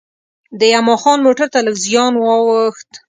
د یما خان موټر ته لږ زیان وا ووښت.